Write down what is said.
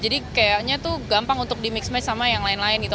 jadi kayaknya tuh gampang untuk di mix match sama yang lain lain gitu